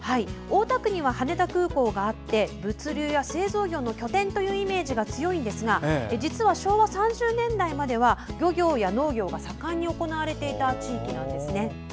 大田区には羽田空港があって物流や製造業の拠点というイメージが強いんですが実は、昭和３０年代までは漁業や農業が盛んに行われていた地域なんです。